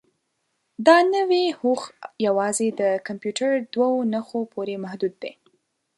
دا نوي هوښ یوازې د کمپیوټر دوو نښو پورې محدود دی.